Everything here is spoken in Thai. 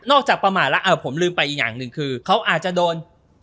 จากประมาทแล้วผมลืมไปอีกอย่างหนึ่งคือเขาอาจจะโดน